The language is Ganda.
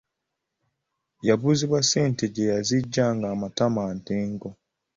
Yabuuzibwa ssente gye yaziggya ng’amatama ntengo.